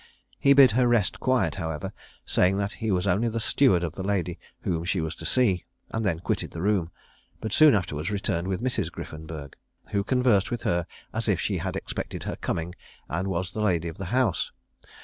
He bid her rest quiet, however, saying that he was only the steward of the lady whom she was to see, and then quitted the room, but soon afterwards returned with Mrs. Griffenburg, who conversed with her as if she had expected her coming and was the lady of the house.